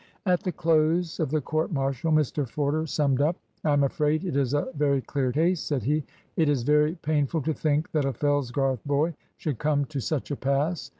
At the close of the court martial Mr Forder summed up. "I am afraid it is a very clear case," said he. "It is very painful to think that a Fellsgarth boy should come to such a pass.